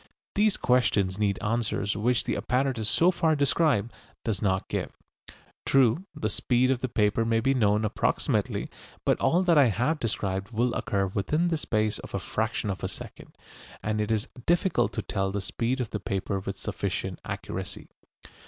These questions need answers which the apparatus so far described does not give. True, the speed of the paper may be known approximately, but all that I have described will occur within the space of a fraction of a second, and it is difficult to tell the speed of the paper with sufficient accuracy.